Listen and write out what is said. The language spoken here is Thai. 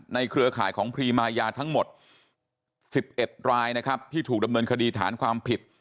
เครือข่ายของพรีมายาทั้งหมด๑๑รายนะครับที่ถูกดำเนินคดีฐานความผิด